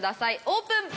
オープン！